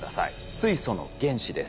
水素の原子です。